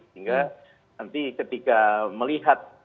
sehingga nanti ketika melihat